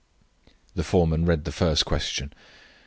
The foreman read the first question.